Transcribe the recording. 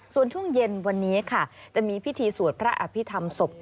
ส่วนช่วงเย็นวันนี้ค่ะจะมีพิธีสวดพระอภิษฐรรมศพ